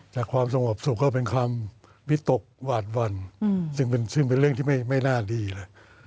ความสงบสุขก็เป็นความวิตกหวาดหวั่นซึ่งเป็นเรื่องที่ไม่น่าดีเลย